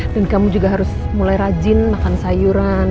dan kamu juga harus mulai rajin makan sayuran